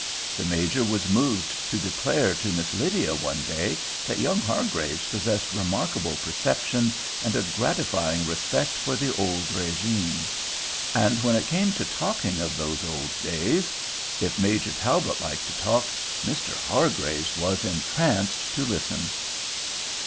The Major was moved to declare to Miss Lydia one day that young Hargraves possessed remarkable perception and a gratifying respect for the old régime. And when it came to talking of those old days—if Major Talbot liked to talk, Mr. Hargraves was entranced to listen.